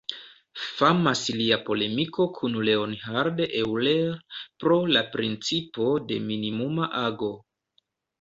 Famas lia polemiko kun Leonhard Euler pro la principo de minimuma ago.